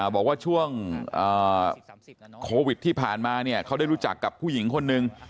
บอกว่าช่วงโควิดที่ผ่านมาเขาได้รู้จักกับผู้หญิงคนนึง